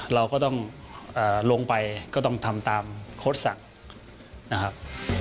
เราก็ต้องลงไปก็ต้องทำตามโค้ดสั่งนะครับ